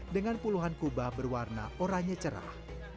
dengan puluhan kubah berwarna oranye cerah